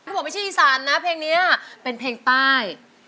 บอกไม่ใช่อีสานนะเพลงนี้เป็นเพลงใต้